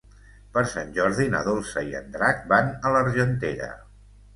Per Sant Jordi na Dolça i en Drac van a l'Argentera.